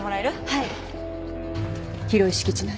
はい広い敷地内。